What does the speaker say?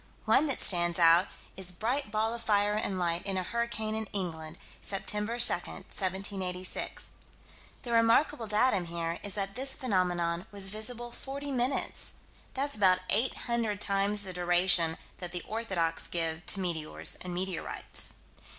One that stands out is "bright ball of fire and light in a hurricane in England, Sept. 2, 1786." The remarkable datum here is that this phenomenon was visible forty minutes. That's about 800 times the duration that the orthodox give to meteors and meteorites.